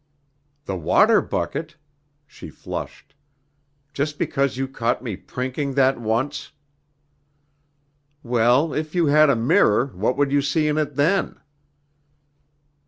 "The water bucket?" She flushed. "Just because you caught me prinking that once!" "Well, if you had a mirror, what would you see in it, then?"